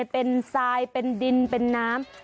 เป็นทรายเป็นดินเป็นน้ำ